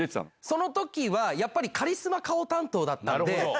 そのときはやっぱりカリスマ顔担当だったんで。